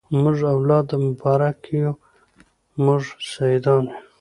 موږ اولاد د مبارک یو موږ سیدان یو